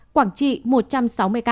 quảng trị một trăm sáu mươi ca